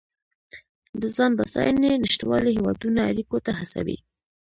د ځان بسیاینې نشتوالی هیوادونه اړیکو ته هڅوي